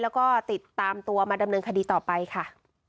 แล้วก็ติดตามตัวมาดำเนินคดีต่อไปค่ะ